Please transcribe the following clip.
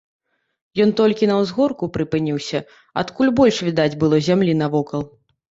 Ён толькі на ўзгорку прыпыніўся, адкуль больш відаць было зямлі навокал.